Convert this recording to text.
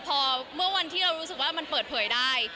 พอเมื่อวันที่เรารู้สึกว่ามันเปิดเผยได้